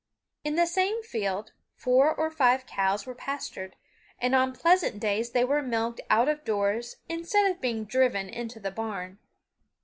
In the same field four or five cows were pastured, and on pleasant days they were milked out of doors instead of being driven into the barn.